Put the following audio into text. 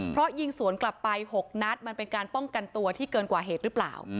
เพราะยิงสวนกลับไป๖นัดมันเป็นการป้องกันตัวที่เกินกว่าเหตุหรือเปล่า